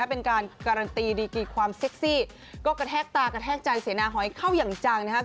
เป็นการการันตีดีกรีดความเซ็กซี่ก็กระแทกตากระแทกใจเสียหน้าหอยเข้ายังจัง